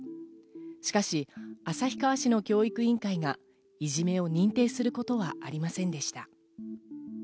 しかし、旭川市の教育委員会がいじめを認定することはありませんでした。